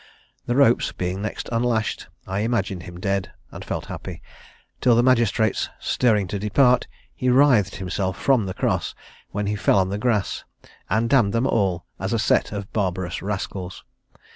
The ropes being next unlashed, I imagined him dead, and felt happy; till the magistrates stirring to depart, he writhed himself from the cross, when he fell on the grass, and damned them all as a set of barbarous rascals.